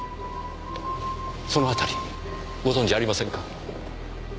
その辺りご存じありませんか？